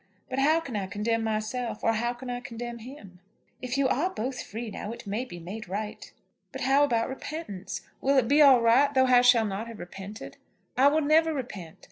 But how can I condemn myself; or how can I condemn him?" "If you are both free now, it may be made right." "But how about repentance? Will it be all right though I shall not have repented? I will never repent.